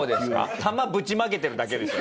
球ぶちまけてるだけでしょ。